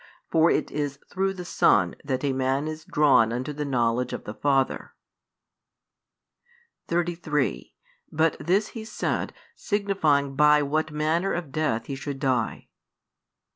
For it is through the Son that a man is drawn unto the knowledge of the Father. 33 But this He said, signifying by what manner of death He should die.